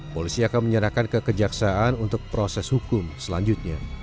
polisi akan menyerahkan kekejaksaan untuk proses hukum selanjutnya